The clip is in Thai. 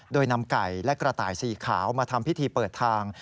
โดยนำไก่และกระต่ายสีขาวมาทำพิธีเปิดทาง